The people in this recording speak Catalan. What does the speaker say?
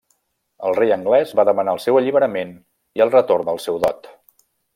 El rei anglès va demanar el seu alliberament i el retorn del seu dot.